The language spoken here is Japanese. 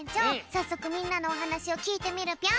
さっそくみんなのおはなしをきいてみるぴょん！